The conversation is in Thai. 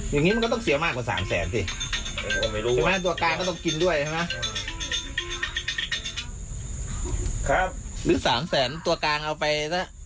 อย่างนี้มันก็ต้องเสียมากกว่า๓๐๐๐๐๐บาทสิ